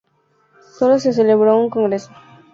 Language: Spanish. Solo se celebró un congreso.